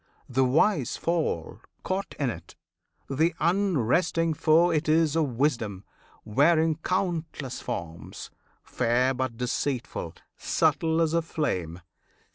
The wise fall, caught in it; the unresting foe It is of wisdom, wearing countless forms, Fair but deceitful, subtle as a flame.